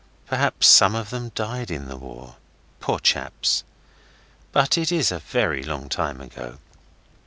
Perhaps some of them died in the war. Poor chaps! But it is a very long time ago.